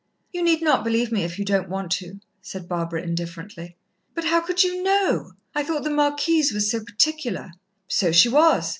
"You need not believe me if you don't want to," said Barbara indifferently. "But how could you know? I thought the Marquise was so particular?" "So she was.